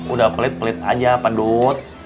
udah pelit pelit aja pedot